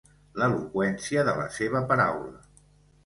L'eloqüència de la seva paraula.